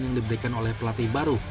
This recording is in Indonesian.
yang diberikan oleh pelatih baru